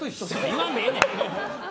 言わんでええねん。